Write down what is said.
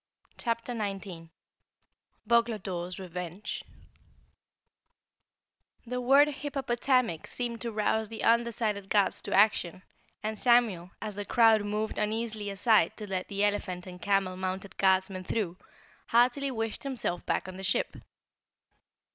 CHAPTER 19 Boglodore's Revenge The word "hippopotamic" seemed to rouse the undecided guards to action, and Samuel, as the crowd moved uneasily aside to let the elephant and camel mounted guardsmen through, heartily wished himself back on the ship.